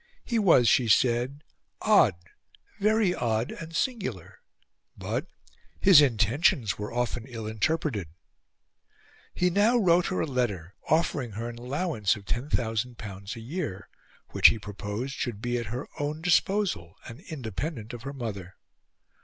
He was, she said, "odd, very odd and singular," but "his intentions were often ill interpreted." He now wrote her a letter, offering her an allowance of L10,000 a year, which he proposed should be at her own disposal, and independent of her mother.